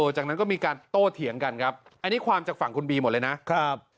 จากนั้นก็มีการโต้เถียงกันครับอันนี้ความจากฝั่งคุณบีหมดเลยนะครับ